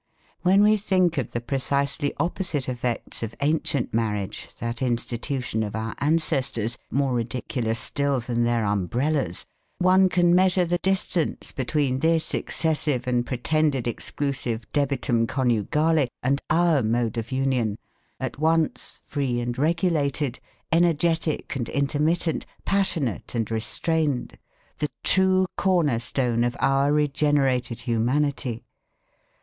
When we think of the precisely opposite effects of ancient marriage, that institution of our ancestors, more ridiculous still than their umbrellas, one can measure the distance between this excessive and pretended exclusive debitum conjugale and our mode of union, at once free and regulated, energetic and intermittent, passionate and restrained, the true corner stone of our regenerated humanity.